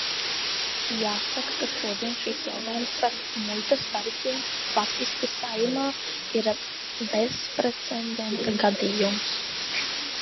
Jāsaka, ka šodien šis jautājums par muitas tarifiem faktiski Saeimā ir bezprecedenta gadījums.